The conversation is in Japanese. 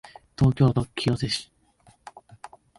東京都清瀬市